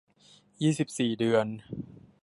ยี่สิบสี่ เดือน